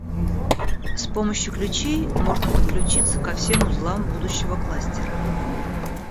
С помощью ключей можно подключиться ко всем узлам будущего кластера